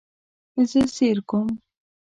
زه سیر کوم